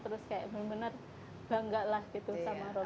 terus kayak benar benar bangga lah gitu sama robriz